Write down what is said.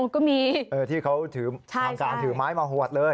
ก็มีที่เขาทำการถือไม้มาหวัดเลย